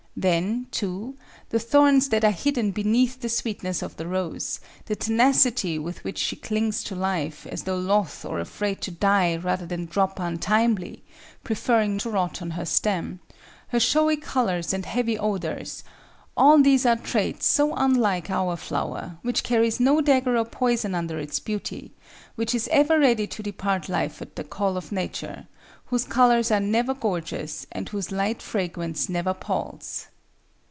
Then, too, the thorns that are hidden beneath the sweetness of the rose, the tenacity with which she clings to life, as though loth or afraid to die rather than drop untimely, preferring to rot on her stem; her showy colors and heavy odors—all these are traits so unlike our flower, which carries no dagger or poison under its beauty, which is ever ready to depart life at the call of nature, whose colors are never gorgeous, and whose light fragrance never palls.